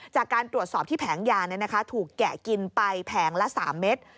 จากการตรวจสอบที่แผงยาถูกแกะกินไปแผงละ๓เม็ด